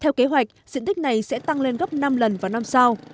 theo kế hoạch diện tích này sẽ tăng lên gấp năm lần vào năm sau